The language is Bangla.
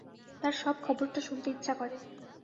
তার সব খবরটা শুনতে ইচ্ছা করে।